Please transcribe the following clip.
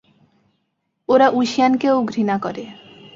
ওরা ঊশিয়ানকে ও ঘৃণা করে।